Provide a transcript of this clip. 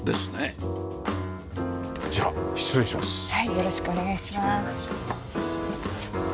よろしくお願いします。